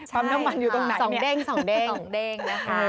ใช่ค่ะส่องเด้งนะครับนี่ปั๊มน้ำมันอยู่ตรงไหน